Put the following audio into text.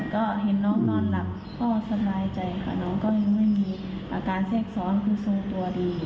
ก็เห็นน้องนอนหลับก็สบายใจค่ะน้องก็ยังไม่มีอาการแทรกซ้อนคือทรงตัวดี